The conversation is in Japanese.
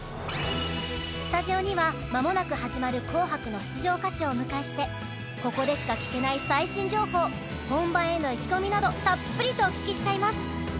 スタジオには、まもなく始まる「紅白」の出場歌手をお迎えしてここでしか聞けない最新情報本番への意気込みなどたっぷりとお聞きしちゃいます。